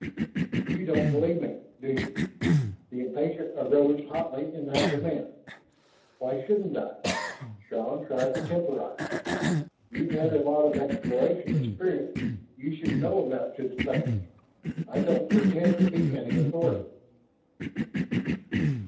"You don't believe me, do you?" The impatience arose hotly in that demand. "Why shouldn't I?" Shann tried to temporize. "You've had a lot of exploration experience; you should know about such things. I don't pretend to be any authority."